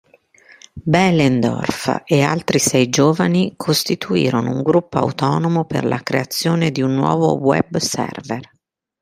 Behlendorf e altri sei giovani costituirono un gruppo autonomo per la creazione di un nuovo web server.